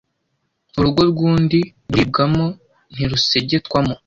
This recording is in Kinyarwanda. Urugo rw'undi ruribwamo ntirusegetwamo